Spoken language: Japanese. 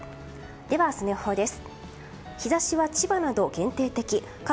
では明日の予報です。